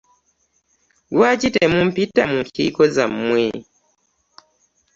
Lwaki temumpita mu nkiiko zamwe?